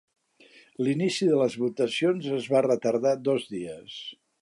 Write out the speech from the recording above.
L'inici de les votacions es va retardar dos dies.